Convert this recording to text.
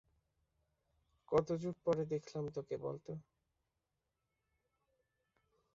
কতযুগ পরে দেখলাম তোকে বলতো!